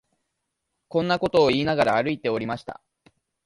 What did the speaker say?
こんなことを言いながら、歩いておりました